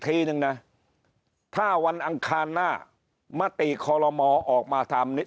ทีหนึ่งน่ะถ้าวันอังคานหน้ามาตีคลมอออกมาทำนี้